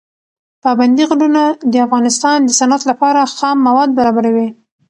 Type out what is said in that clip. پابندي غرونه د افغانستان د صنعت لپاره خام مواد برابروي.